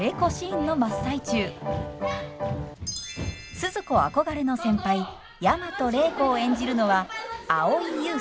スズ子憧れの先輩大和礼子を演じるのは蒼井優さん。